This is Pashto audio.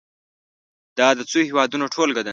دا د څو هېوادونو ټولګه ده.